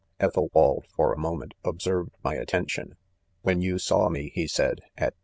6 Ethelwald, for a moment, observed my at tention. "When yon saw me,, he said, at p.